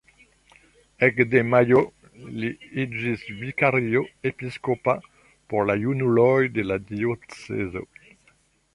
Ekde majo li iĝis vikario episkopa por la junuloj de la diocezo.